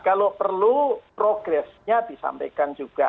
kalau perlu progresnya disampaikan juga